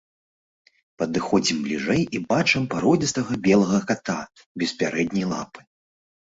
Падыходзім бліжэй і бачым пародзістага белага ката без пярэдняй лапы.